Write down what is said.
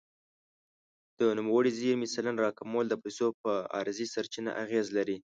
د نوموړې زیرمې سلنه راکمول د پیسو پر عرضې سرچپه اغېز لري.